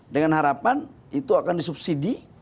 dengan harapan itu akan disubsidi